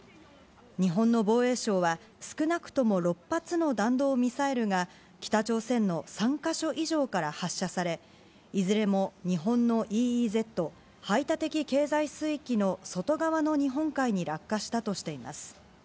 日本の防衛省は、少なくとも６発の弾道ミサイルが、北朝鮮の３か所以上から発射され、いずれも日本のＥＥＺ・排他的経済水域の外側の日本海に落下したとしています。